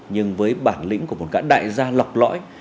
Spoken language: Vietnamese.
nhưng với bản lĩnh của một cãi đại gia lọc lõi